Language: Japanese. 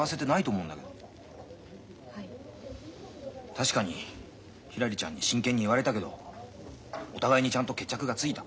確かにひらりちゃんに真剣に言われたけどお互いにちゃんと決着がついた。